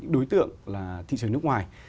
đối tượng là thị trường nước ngoài